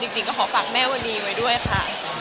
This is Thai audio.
จริงก็ขอฝากแม่วันนี้ไว้ด้วยค่ะ